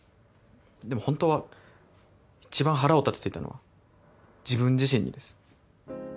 でもホントは一番腹を立てていたのは自分自身にです。